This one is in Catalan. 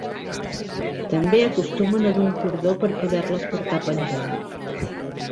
També acostumen a dur un cordó per a poder-les portar penjant.